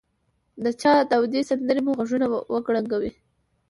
د چا داودي سندره مو غوږونه وکړنګوي.